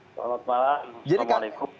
selamat malam assalamualaikum